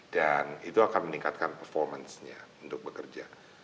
dan itu akan meningkatkan performance nya untuk bekerja